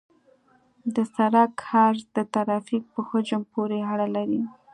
د سرک عرض د ترافیک په حجم پورې اړه لري